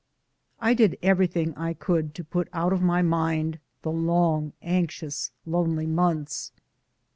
I did everything I could to put out of my mind the long, anxious, lonely months.